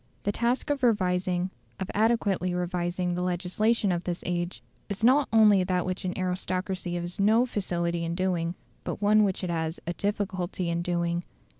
The task of revising, of adequately revising the legislation of this age, is not only that which an aristocracy has no facility in doing, but one which it has a difficulty in doing.